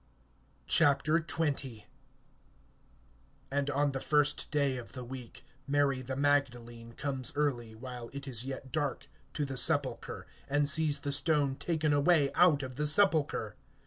XX. AND on the first day of the week Mary the Magdalene comes early, while it is yet dark, to the sepulchre, and sees the stone taken away out of the sepulchre.